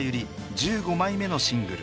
１５枚目のシングル。